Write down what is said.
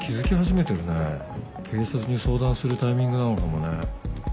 警察に相談するタイミングなのかもね。